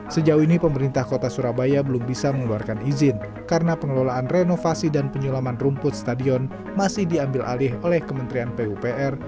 sejauh ini pemerintah kota surabaya belum bisa mengeluarkan izin karena pengelolaan renovasi dan penyulaman rumput stadion masih diambil alih oleh kementerian pupr